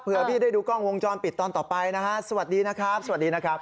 เพื่อพี่ได้ดูกล้องวงจรปิดตอนต่อไปนะฮะสวัสดีนะครับสวัสดีนะครับ